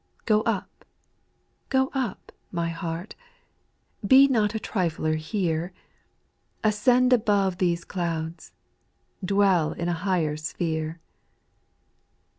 2. Go up, go up, my heart, Be not a trifler here ; Ascend above these clouds. Dwell in a higher sphere.